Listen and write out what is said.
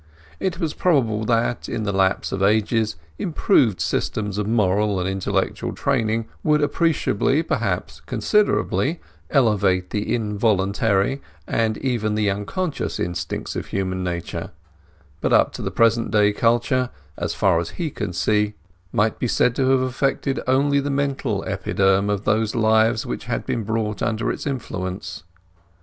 It was probable that, in the lapse of ages, improved systems of moral and intellectual training would appreciably, perhaps considerably, elevate the involuntary and even the unconscious instincts of human nature; but up to the present day, culture, as far as he could see, might be said to have affected only the mental epiderm of those lives which had been brought under its influence.